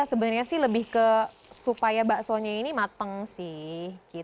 sebenarnya sih lebih ke supaya baksonya ini mateng sih